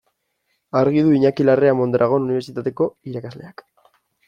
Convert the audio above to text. Argi du Iñaki Larrea Mondragon Unibertsitateko irakasleak.